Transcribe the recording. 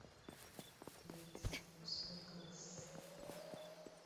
Please, সোকস।